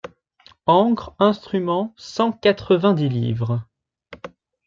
Ancres, instruments, cent quatre-vingt-dix livres.